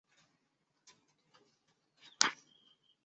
廉江青年抗敌同志会旧址的历史年代为抗日战争时期。